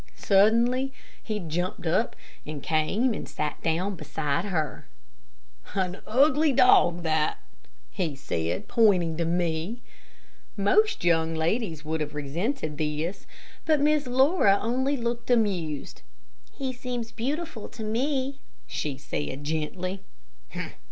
Suddenly he jumped up and came and sat down beside her. "An ugly dog, that," he said, pointing to me. Most young ladies would have resented this, but Miss Laura only looked amused. "He seems beautiful to me," she said, gently.